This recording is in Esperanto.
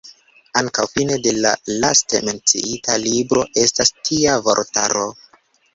Ankaŭ fine de la laste menciita libro estas tia vortaro.